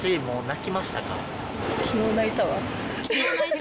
きのう泣いたわ。